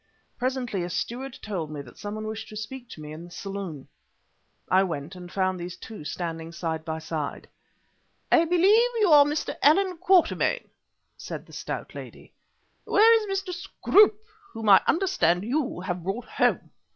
Presently a steward told me that someone wished to speak to me in the saloon. I went and found these two standing side by side. "I believe you are Mr. Allan Quatermain," said the stout lady. "Where is Mr. Scroope whom I understand you have brought home?